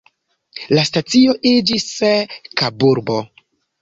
La stacio iĝis Kaburbo.